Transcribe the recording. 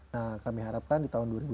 nah kami harapkan di tahun